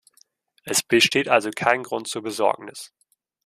Es beseht also kein Grund zur Besorgnis.